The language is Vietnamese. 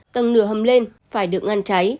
tầng nửa hầm lên phải được ngăn cháy